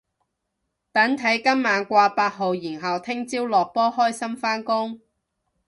等睇今晚掛八號然後聽朝落波開心返工